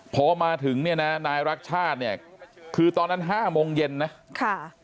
พอมาถึงนี่นะนายรักชาติคือตอนนั้น๕โมงเย็นนะ